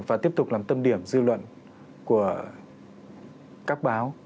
và tiếp tục làm tâm điểm dư luận của các báo